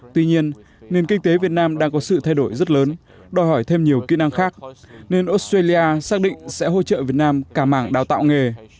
tuy nhiên nền kinh tế việt nam đang có sự thay đổi rất lớn đòi hỏi thêm nhiều kỹ năng khác nên australia xác định sẽ hỗ trợ việt nam cả mảng đào tạo nghề